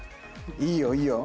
いいよいいよ！